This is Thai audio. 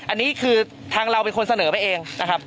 อันนี้คือทางเราเป็นคนเสนอไปเองนะครับ